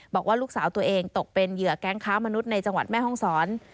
บอกว่าลูกสาวตัวเองตกเป็นเหยื่อแก๊งค้ามนุษย์ในจังหวัดแม่ห้องศร